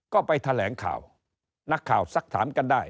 ก็ไปแถลงข่าวนักข่าวสักถามกันได้